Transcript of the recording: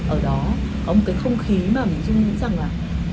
ở đó có một cái không khí mà mình dung nghĩ rằng là